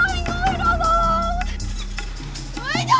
tidak jangan dibawa motornya